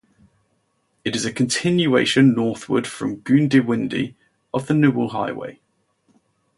It is a continuation northward from Goondiwindi of the Newell Highway.